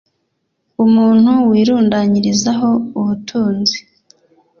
umuntu wirundanyirizaho ubutunzi